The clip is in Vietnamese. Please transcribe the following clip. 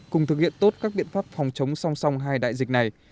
cùng thực hiện tốt các biện pháp phòng chống song song hai đại dịch này